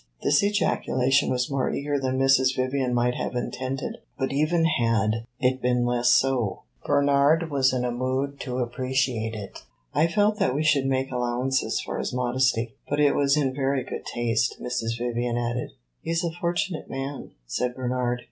This ejaculation was more eager than Mrs. Vivian might have intended, but even had it been less so, Bernard was in a mood to appreciate it. "I felt that we should make allowances for his modesty. But it was in very good taste," Mrs. Vivian added. "He 's a fortunate man," said Bernard.